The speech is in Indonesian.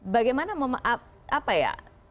bagaimana apa ya